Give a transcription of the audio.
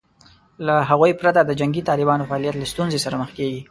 له هغوی پرته د جنګي طالبانو فعالیت له ستونزې سره مخ کېږي